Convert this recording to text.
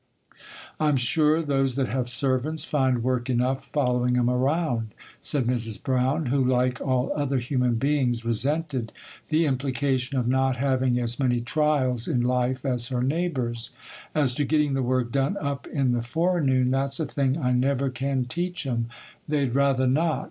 'I'm sure, those that have servants find work enough following 'em 'round,' said Mrs. Brown,—who, like all other human beings, resented the implication of not having as many trials in life as her neighbours. 'As to getting the work done up in the forenoon, that's a thing I never can teach 'em; they'd rather not.